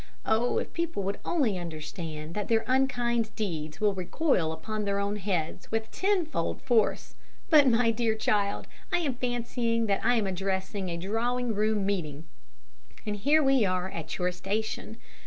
Oh, if people would only understand that their unkind deeds will recoil upon their own heads with tenfold force but, my dear child, I am fancying that I am addressing a drawing room meeting and here we are at your station.